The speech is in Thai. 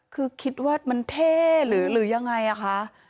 คือคิดว่ามันเท่หรือยังไงคะ